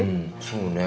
そうね。